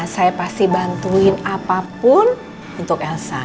saya pasti bantuin apapun untuk elsa